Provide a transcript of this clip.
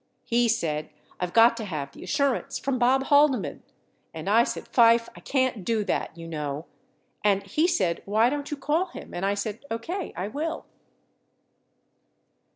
He said, I've got to have the assurance from Bob Haldeman. And I said, Fife, I can't do that, you know. And he said, why don't you call bim? And I said, OK, I will.